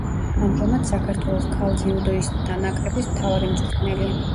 ამჟამად, საქართველოს ქალ ძიუდოისტთა ნაკრების მთავარი მწვრთნელი.